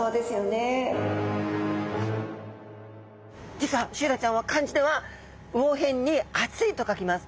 実はシイラちゃんは漢字では魚偏に暑いと書きます。